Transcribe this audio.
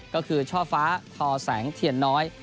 ก็คือช่อฟ้าทอแสงเทียนน้อย